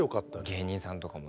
芸人さんとかもね。